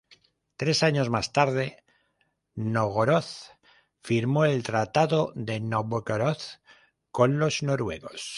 Tres años más tarde, Nóvgorod firmó el Tratado de Nóvgorod con los noruegos.